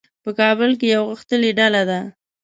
په کابل کې یوه غښتلې ډله ده.